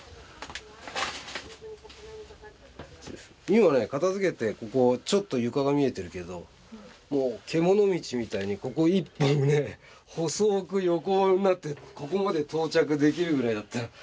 今ね片づけてここちょっと床が見えてるけどもう獣道みたいにここ一本ね細く横になってここまで到着できるぐらいだった。